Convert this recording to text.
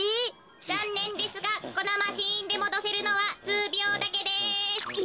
ざんねんですがこのマシーンでもどせるのはすうびょうだけです。え。